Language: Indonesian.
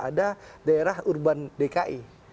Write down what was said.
ada daerah urban dki